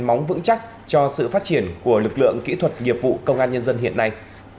móng vững chắc cho sự phát triển của lực lượng kỹ thuật nghiệp vụ công an nhân dân hiện nay